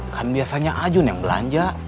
kan biasanya ajun yang belanja